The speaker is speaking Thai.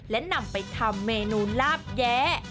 และนำไปทำเมนูลาบแย้